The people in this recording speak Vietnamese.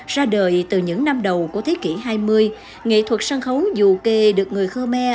ra đời từ những năm đầu của thế kỷ hai mươi nghệ thuật sân khấu dù kê được người khmer